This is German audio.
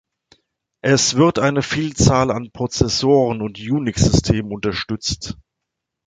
Es wird eine Vielzahl an Prozessoren und Unix-Systemen unterstützt.